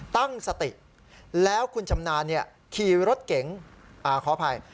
ตั้งสติแล้วคุณชำนาญขี่รถเก๋งขออภัย